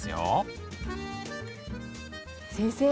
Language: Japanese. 先生